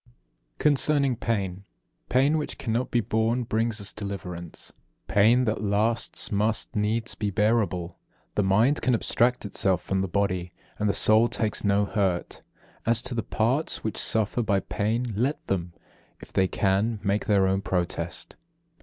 33. Concerning pain: Pain which cannot be borne brings us deliverance. Pain that lasts musts needs be bearable. The mind can abstract itself from the body, and the soul takes no hurt. As to the parts which suffer by pain, let them, if they can, make their own protest.